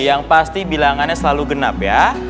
yang pasti bilangannya selalu genap ya